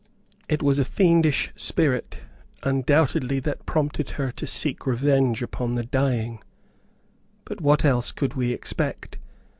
It was a fiendish spirit, undoubtedly, that prompted her to seek revenge upon the dying, but what else could we expect?